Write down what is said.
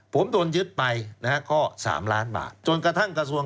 ผมโดนยึดไปก็๓ล้านบาท